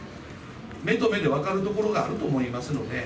目と目で分かるところがあると思いますので。